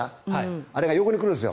あれが横に来るんですよ。